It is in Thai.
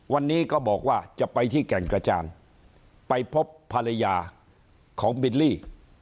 วันนี้ก็บอกว่าจะไปที่แก่งกระจางไปพบภรรยาของบิลลี่